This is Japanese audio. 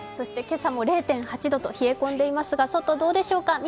今朝も０．８度と冷え込んでいますが、外どうでしょうか？